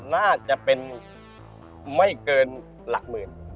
น่าจะเป็นไม่เกินหลักหมื่น